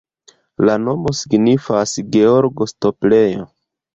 La nomo signifas: Georgo-stoplejo.